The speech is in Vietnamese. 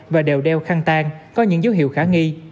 và đều đeo khăn tan có những dấu hiệu khả nghi